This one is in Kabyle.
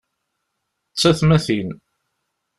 D tatmatin.